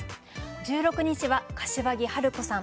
１６日は柏木ハルコさん。